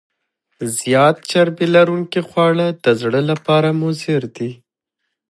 زیات چربي لرونکي خواړه د زړه لپاره مضر دي.